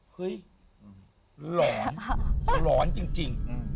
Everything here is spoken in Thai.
เฮ้ยหลอนหลอนจริง